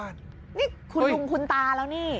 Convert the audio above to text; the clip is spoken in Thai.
นี่คุณลุงคุณตาแล้วนี่